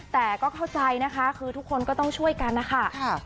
แต่ก็เข้าใจนะคะคือทุกคนก็ต้องช่วยกันนะคะ